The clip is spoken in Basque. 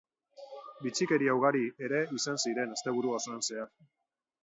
Bitxikeria ugari ere izan ziren asteburu osoan zehar.